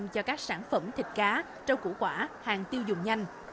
cho các sản phẩm thịt cá rau củ quả hàng tiêu dùng nhanh